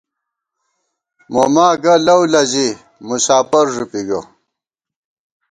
موما گہ لؤ لزِی ، مساپر ݫُپی گہ